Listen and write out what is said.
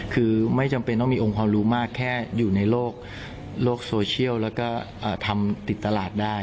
คือไม่จำเป็นต้องมีองค์ความรู้มากแค่อยู่ในโลกโซเชียลแล้วก็ทำติดตลาดได้